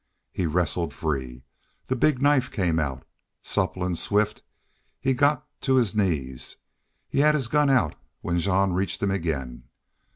He wrestled free. The big knife came out. Supple and swift, he got to his, knees. He had his gun out when Jean reached him again.